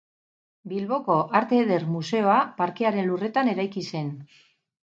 Bilboko Arte Eder Museoa parkearen lurretan eraiki zen.